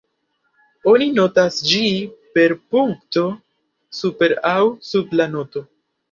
Oni notas ĝi per punkto super aŭ sub la noto.